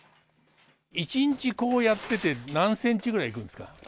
一日こうやってて何センチぐらいいくんですか？